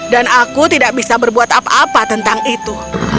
dan aku tidak bisa berbuat apa apa tentang itu